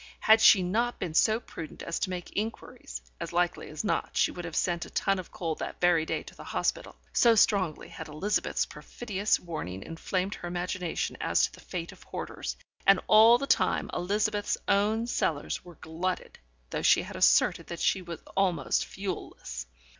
Had she not been so prudent as to make inquiries, as likely as not she would have sent a ton of coal that very day to the hospital, so strongly had Elizabeth's perfidious warning inflamed her imagination as to the fate of hoarders, and all the time Elizabeth's own cellars were glutted, though she had asserted that she was almost fuelless.